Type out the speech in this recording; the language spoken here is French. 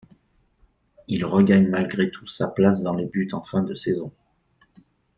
Il regagne malgré tout sa place dans les buts en fin de saison.